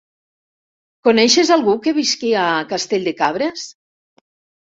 Coneixes algú que visqui a Castell de Cabres?